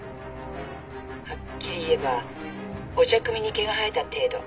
はっきり言えばお茶くみに毛が生えた程度。